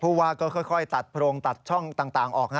ว่าก็ค่อยตัดโพรงตัดช่องต่างออกนะ